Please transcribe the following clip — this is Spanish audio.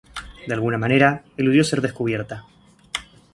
De alguna manera, eludió ser descubierta.